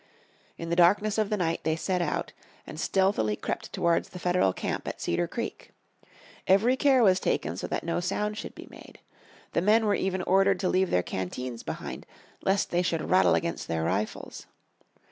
In the darkness of the night they set out, and stealthily crept towards the Federal camp at Cedar Creek. Every care was taken so that no sound should be made. The men were even ordered to leave their canteens behind, lest they should rattle against their rifles.